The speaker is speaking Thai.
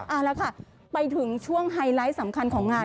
เอาละค่ะไปถึงช่วงไฮไลท์สำคัญของงาน